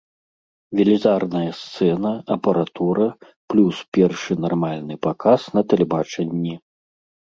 Велізарная сцэна, апаратура, плюс першы нармальны паказ па тэлебачанні.